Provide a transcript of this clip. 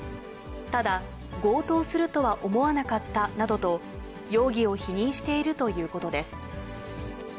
ただ、強盗するとは思わなかったなどと、容疑を否認しているということです。